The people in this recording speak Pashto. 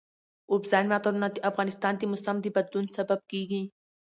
اوبزین معدنونه د افغانستان د موسم د بدلون سبب کېږي.